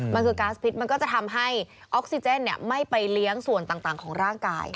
มันคือก๊าซพิษมันก็จะทำให้ออกซิเจนไม่ไปเลี้ยงส่วนต่างของร่างกาย